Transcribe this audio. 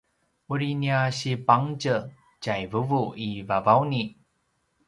uri nia sipangtjez tjai vuvu i Vavauni